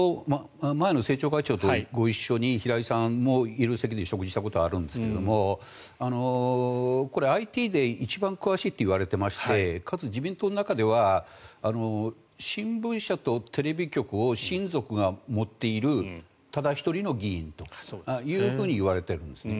前政調会長とご一緒に、平井さんもいる席で食事したことがあるんですがＩＴで一番詳しいといわれていましてかつ、自民党の中では新聞社とテレビ局を親族が持っているただ１人の議員というふうにいわれているんですね。